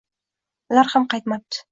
Ular ham qaytmabdi